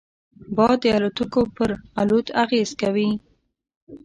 باد د الوتکو پر الوت اغېز کوي